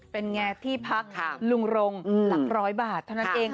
เป็นไงที่พักลุงรงหลักร้อยบาทเท่านั้นเอง